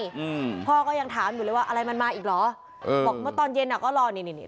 อืมพ่อก็ยังถามอยู่เลยว่าอะไรมันมาอีกเหรอเออบอกเมื่อตอนเย็นอ่ะก็รอนี่นี่นี่